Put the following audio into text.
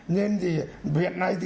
nên thì hiện nay thì